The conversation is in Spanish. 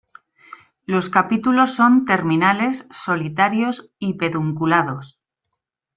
Los capítulos son terminales, solitarios y pedunculados.